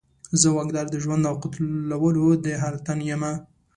زه واکدار د ژوند او قتلولو د هر تن یمه